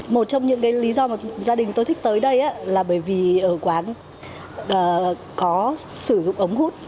một trong những cái lý do mà gia đình tôi thích tới đây là bởi vì ở quán có sử dụng ống hút